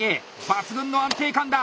抜群の安定感だ！